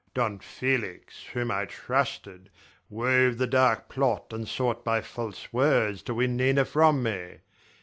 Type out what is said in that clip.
Don Felix, whom I trusted, wove the dark plot and sought by false words to win Nina from me.